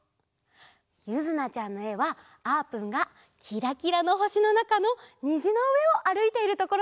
ゆずなちゃんのえはあーぷんがきらきらのほしのなかのにじのうえをあるいているところなんだって！